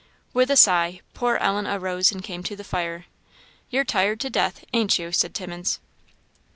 With a sigh poor Ellen arose and came to the fire. "You're tired to death, ain't you?" said Timmins.